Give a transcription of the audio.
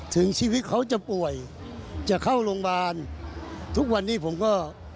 ถึงชีวิตเขาจะป่วยจะเข้าโรงพยาบาลทุกวันนี้ผมก็